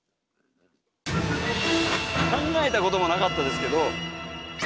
考えたこともなかったですけど。